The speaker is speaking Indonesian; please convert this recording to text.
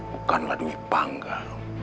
bukanlah dwi pangga